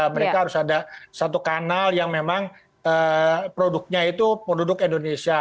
mereka harus ada satu kanal yang memang produknya itu produk indonesia